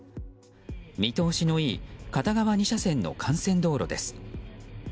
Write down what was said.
見通しのいい片側２車線の幹線道路です。